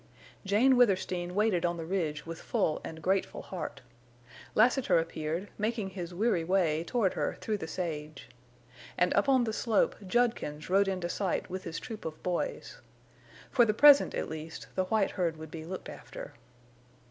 Jane Withersteen waited on the ridge with full and grateful heart. Lassiter appeared, making his weary way toward her through the sage. And up on the slope Judkins rode into sight with his troop of boys. For the present, at least, the white herd would be looked after.